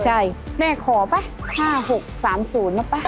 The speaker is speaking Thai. ใจแม่ขอป่ะ๕๖๓๐มั๊บป่ะ